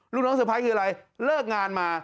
ลูกน้องเตอร์ไพรคืออะไรเลิกงานมา